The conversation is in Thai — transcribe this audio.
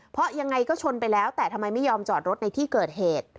เพราะยังไงก็ชนไปแล้วแต่ทำไมไม่ยอมจอดรถในที่เกิดเหตุ